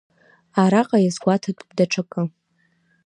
Араҟа иазгәаҭатәуп даҽакгьы.